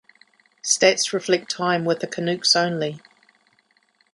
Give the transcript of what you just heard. Stats reflect time with the Canucks only.